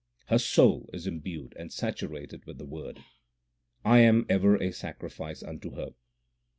Her soul is imbued and saturated with the Word ; I am ever a sacrifice unto her.